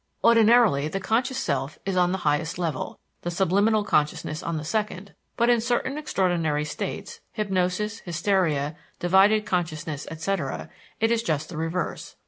Ordinarily the conscious self is on the highest level, the subliminal consciousness on the second; but in certain extraordinary states (hypnosis, hysteria, divided consciousness, etc.) it is just the reverse.